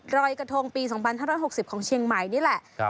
รอยกระทงปี๒๕๖๐ของเชียงใหม่นี่แหละ